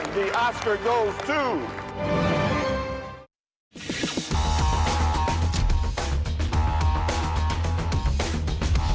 ทุกวัน๘นออกมาช่วงจากนี้